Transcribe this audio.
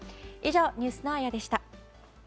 以上、ニュースのあやでした。